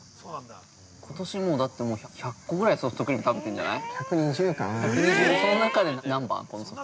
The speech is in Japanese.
◆ことしももう１００個ぐらいソフトクリーム食べてるんじゃない？